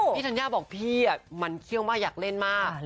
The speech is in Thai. ธัญญาบอกพี่มันเขี้ยวมากอยากเล่นมาก